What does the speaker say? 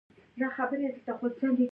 بخښنه کول ولې پکار دي؟